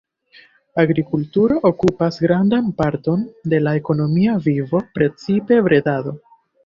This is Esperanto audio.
Agrikulturo okupas grandan parton de la ekonomia vivo, precipe bredado.